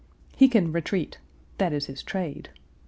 He can retreat; that is his trade.